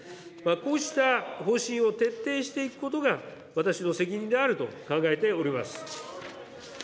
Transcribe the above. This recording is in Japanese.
こうした方針を徹底していくことが、私の責任であると考えております。